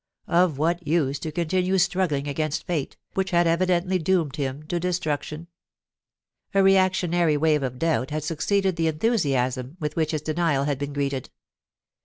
Of what use to continue struggling against fate, which had evidently doomed him to destruction ? A reactionary wave of doubt had succeeded the enthusiasm with which his denial had been greeted.